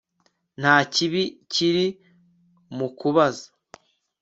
Nta kibi kiri mu kubaza